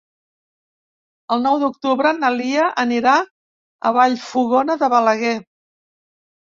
El nou d'octubre na Lia anirà a Vallfogona de Balaguer.